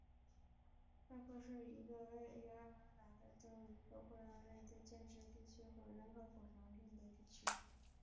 萨克斯是一个位于美国阿拉巴马州卡尔霍恩县的非建制地区和人口普查指定地区。